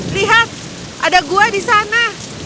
lihat ada gua di sana